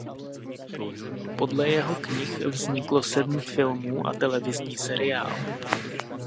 Podle jeho knih vzniklo sedm filmů a televizní seriál.